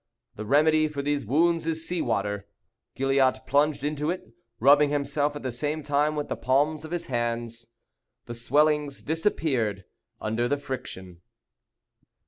The remedy for these wounds is sea water. Gilliatt plunged into it, rubbing himself at the same time with the palms of his hands. The swellings disappeared under the friction.